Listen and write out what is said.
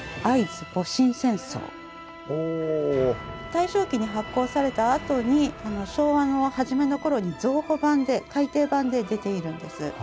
大正期に発行されたあとに昭和の初めの頃に増補版で改訂版で出ているんです。